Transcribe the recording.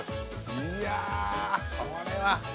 いや！これは。